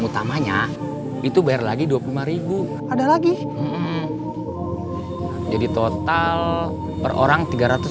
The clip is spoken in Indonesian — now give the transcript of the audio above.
utamanya itu bayar lagi dua puluh lima ada lagi jadi total per orang tiga ratus